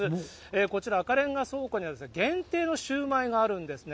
こちら、赤レンガ倉庫には限定のシウマイがあるんですね。